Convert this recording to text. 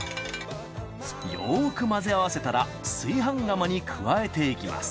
よく混ぜ合わせたら炊飯釜に加えていきます